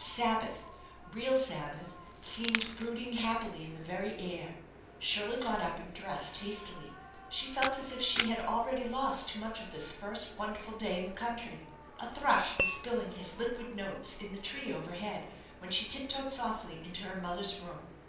Sab bath, real Sabbath, seemed brooding happily in the very air. Shirley got up and dressed hastily. She felt as if she had already lost too much of this first wonderful day in the country. A thrush was spilling his liquid notes in the tree overhead when she tiptoed softly into her mother's room.